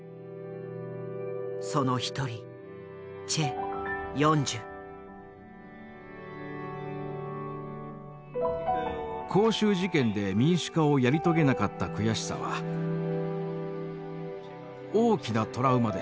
その一人光州事件で民主化をやり遂げなかった悔しさは大きなトラウマでした。